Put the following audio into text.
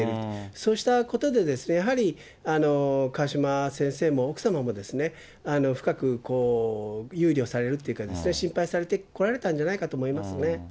そうしたことでやはり、川嶋先生も奥様も、深く憂慮されるというか、心配されてこられたんじゃないかと思いますね。